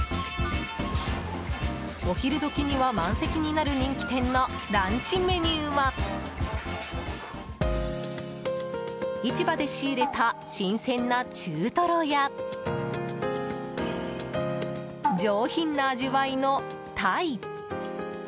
お昼時には満席になる人気店のランチメニューは市場で仕入れた新鮮な中トロや上品な味わいのタイ。